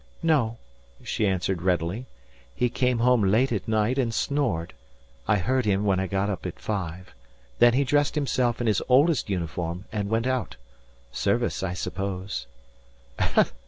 "No," she answered readily. "He came home late at night and snored. I heard him when I got up at five. Then he dressed himself in his oldest uniform and went out. Service, I suppose."